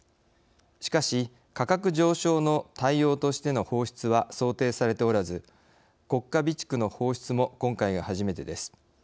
しかし価格上昇の対応としての放出は想定されておらず国家備蓄の放出も今回が初めてです。